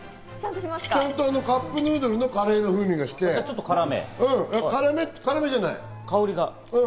ちゃんとカップヌードルのカレーの風味がして、辛めじゃない。